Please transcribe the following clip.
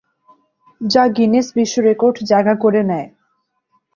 যা গিনেস বিশ্ব রেকর্ড জায়গা করে নেয়।